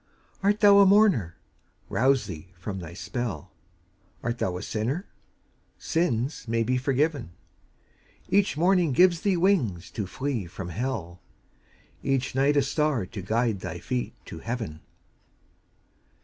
Art thou a mourner? Rouse thee from thy spell ; Art thou a sinner? Sins may be forgiven ; Each morning gives thee wings to flee from hell, Each night a star to guide thy feet to heaven.